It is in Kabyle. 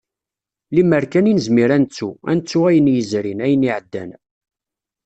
Lemmer kan i nezmir ad nettu, ad nettu ayen yezrin, ayen iɛeddan.